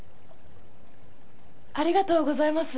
ありがとうございます！